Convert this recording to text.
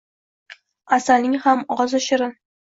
Asalning ham ozi shirin.